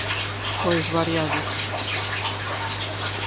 Pois variados.